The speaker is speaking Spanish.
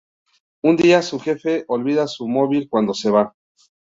Un día, su jefe olvida su móvil cuando se va…